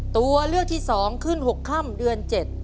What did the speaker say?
ตัวเลือกที่๒ขึ้น๖ค่ำเดือน๗